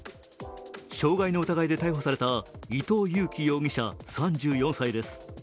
傷害の疑いで逮捕された伊藤裕樹容疑者３４歳です。